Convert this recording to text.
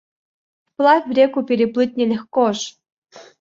Вплавь реку переплыть не легко ж!